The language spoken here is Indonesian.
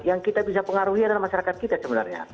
yang kita bisa pengaruhi adalah masyarakat kita sebenarnya